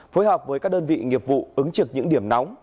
phối hợp với các đơn vị nghiệp vụ ứng trực những điểm nóng